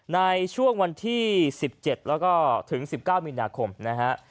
ในช่วงวันที่๑๗แล้วก็ถึง๑๙มีนาคมนะฮะ